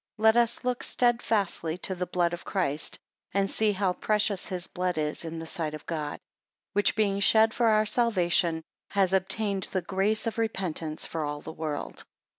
5 Let us look steadfastly to the blood of Christ, and see how precious his blood is in the sight of God: which being shed for our salvation, has obtained the grace of repentance for all the world.